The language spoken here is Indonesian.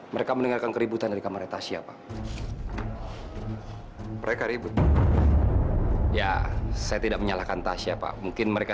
sampai jumpa di video selanjutnya